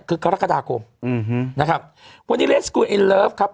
คือกรกฎาคมอืมฮึนะครับวันนี้ครับ